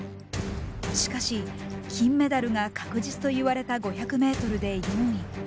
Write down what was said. しかし金メダルが確実といわれた５００ｍで４位。